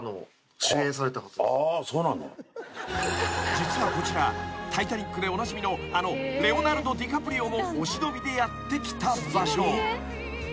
［実はこちら『タイタニック』でおなじみのあのレオナルド・ディカプリオもお忍びでやって来た場所］